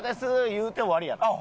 言うて終わりやから。